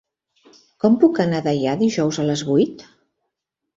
Com puc anar a Deià dijous a les vuit?